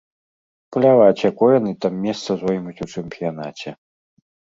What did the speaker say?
Пляваць, якое яны там месца зоймуць у чэмпіянаце.